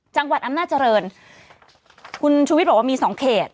จังหวัดอำนาจเจริญคุณชุวิตบอกว่ามี๒เขต